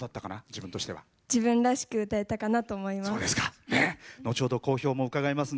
自分らしく歌えたかなと思います。